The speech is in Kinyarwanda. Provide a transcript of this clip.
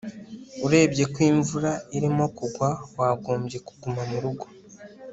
Urebye ko imvura irimo kugwa wagombye kuguma murugo